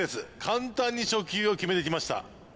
簡単に初球を決めてきました